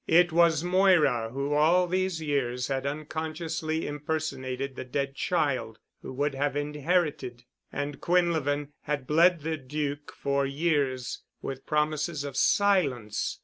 It was Moira who all these years had unconsciously impersonated the dead child who would have inherited. And Quinlevin had bled the Duc for years with promises of silence.